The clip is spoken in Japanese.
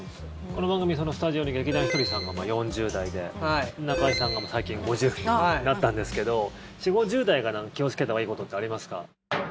この番組、スタジオに劇団ひとりさんが４０代で中居さんが最近、５０になったんですけど４０５０代が気をつけたほうがいいことってありますか？